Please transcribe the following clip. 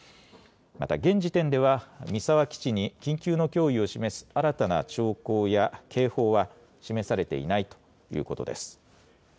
また現時点では三沢基地に緊急の脅威を示す新たな兆候や警報は示されていないとしています。